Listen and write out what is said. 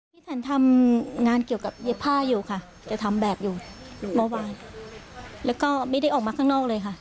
ที่ฉันทำงานเกี่ยวกับเย็บผ้าอยู่ค่ะจะทำแบบอยู่เมื่อวานแล้วก็ไม่ได้ออกมาข้างนอกเลยค่ะ